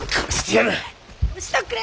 よしとくれ！